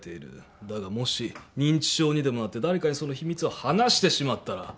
だがもし認知症にでもなって誰かにその秘密を話してしまったら